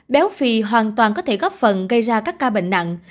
béo phì hoàn toàn có thể góp phần gây ra các ca bệnh nặng